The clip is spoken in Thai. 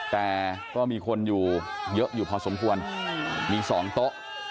แต่ก็มีคนอยู่เยอะอยู่พอสมควรมี๒โต๊ะ